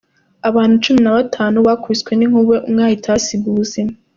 Abantu Cumi Nabatanu bakubiswe n’inkuba umwe ahita ahasiga ubuzima